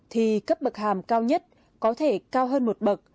thì cấp bậc hàm cao nhất có thể cao hơn một bậc